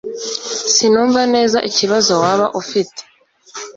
Sinumva neza ikibazo waba ufite.